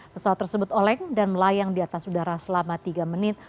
pesawat tersebut oleng dan melayang di atas udara selama tiga menit